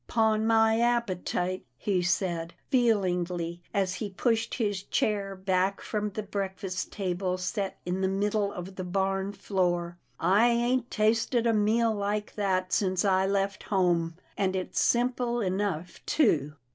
" 'Pon my appetite," he said, feelingly, as he pushed his chair back from the breakfast table set in the middle of the barn floor, " I ain't tasted a meal like that since I left home, and it's simple enough, too."